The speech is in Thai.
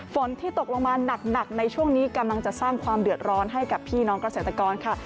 ฝนที่ตกลงมาหนักในช่วงนี้กำลังจะสร้างความเดือดร้อนให้กับพี่น้องเกษตรกรค่ะ